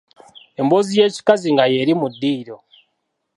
Embozi y'ekikazi nga yeli mu ddiiro.